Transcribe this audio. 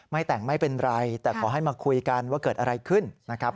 ไม่แต่งไม่เป็นไรแต่ขอให้มาคุยกันว่าเกิดอะไรขึ้นนะครับ